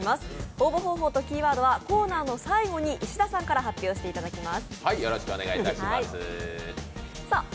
応募方法とキーワードはコーナーの最後に石田さんから発表していただきます。